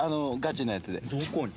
・どこに？